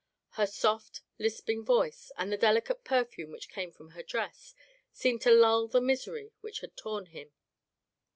Her soft, lisping voice, and the delicate perfume which came from her dress, seemed to lull the misery which had torn him.